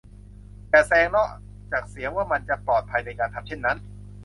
อย่าแซงนอกเสียจากว่ามันจะปลอดภัยในการทำเช่นนั้น